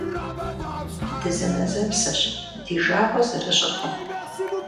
Дызэнэзэпсэщ, ди жагъуэ зэрыщӀыркъым.